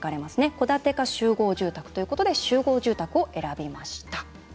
戸建てか集合住宅ということで集合住宅を選びました。